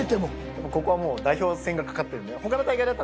ここは代表が懸かってるんで。